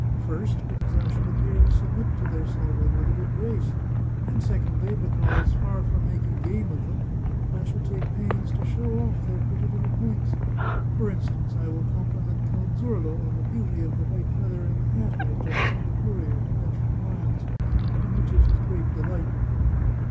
First, because I shall appear to submit to their sovereign with a good grace ; and secondly, because, far from making game of them, I shall take pains to show off their pretty little points — for instance, I will compliment Count Zurla on the beauty of the white feather in the hat he has just sent a courier to fetch from Lyons, and which is his great delight.